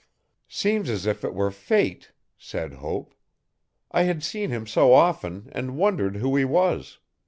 'Seems as if it were fate,' said Hope. 'I had seen him so often and wondered who he was.